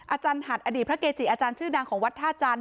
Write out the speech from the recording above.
อาจารย์หัดอดีตพระเกจิอาจารย์ชื่อดังของวัดท่าจันท